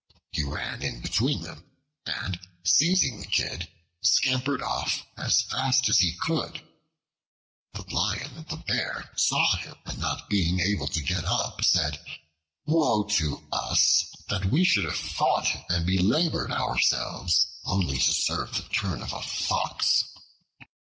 He ran in between them, and seizing the Kid scampered off as fast as he could. The Lion and the Bear saw him, but not being able to get up, said, "Woe be to us, that we should have fought and belabored ourselves only to serve the turn of a Fox."